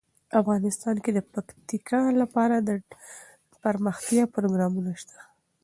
افغانستان کې د پکتیکا لپاره دپرمختیا پروګرامونه شته.